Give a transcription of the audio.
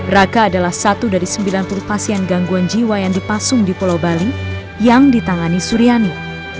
raka adalah satu dari sembilan puluh pasien gangguan jiwa yang dipasung di pulau bali yang ditangani suryani